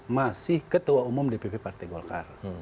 masih ketua umum dpr parti golkar